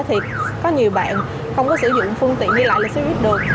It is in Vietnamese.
thì có nhiều bạn không có sử dụng phương tiện như lại là xe buýt được